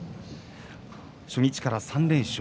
初日から３連勝。